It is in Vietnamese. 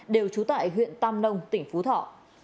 đều trú tại huyện tăng nông tỉnh phú thọ